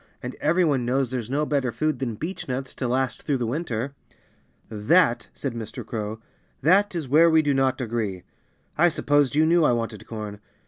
And every one knows there's no better food than beechnuts to last through the winter." "That " said Mr. Crow "that is where we do not agree. I supposed you knew I wanted corn.